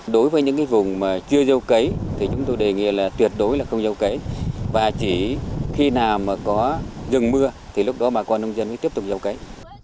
đối với những vùng mà chưa dâu cấy thì chúng tôi đề nghị là tuyệt đối là không dâu cấy và chỉ khi nào mà có dừng mưa thì lúc đó mà con nông dân tiếp tục dâu cấy